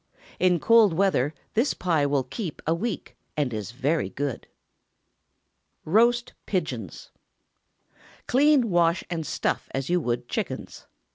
In cold weather this pie will keep a week, and is very good. ROAST PIGEONS. Clean, wash, and stuff as you would chickens.